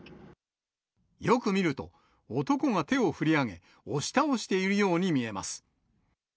よく見ると、男が手を振り上げ、押し倒しているように見えます。